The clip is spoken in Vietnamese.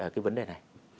cái vấn đề này